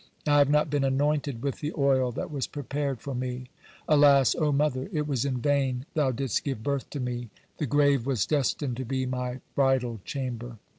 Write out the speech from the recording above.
I have not been anointed with the oil that was prepared for me. Alas, O mother, it was in vain thou didst give birth to me, the grave was destined to be my bridal chamber.